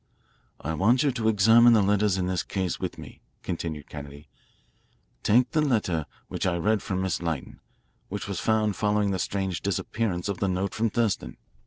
"I want you to examine the letters in this case with me," continued Kennedy. "Take the letter which I read from Miss Lytton, which was found following the strange disappearance of the note from Thurston."